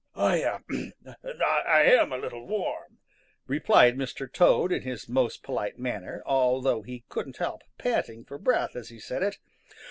"I am a little warm," replied Mr. Toad in his most polite manner, although he couldn't help panting for breath as he said it.